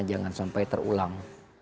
jangan sampai terulang